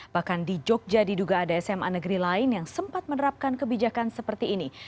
bahkan di jogja diduga ada sma negeri lain yang sempat menerapkan kebijakan seperti ini